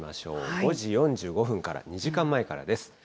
５時４５分から、２時間前からです。